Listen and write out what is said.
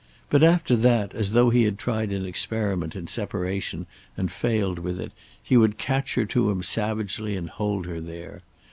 But after that, as though he had tried an experiment in separation and failed with it, he would catch her to him savagely and hold her there.